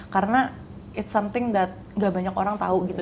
karena it's something that gak banyak orang tahu gitu